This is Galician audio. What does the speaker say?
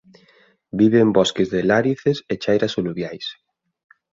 Vive en bosques de lárices e chairas aluviais.